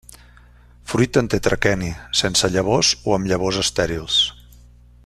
Fruit en tetraqueni, sense llavors o amb llavors estèrils.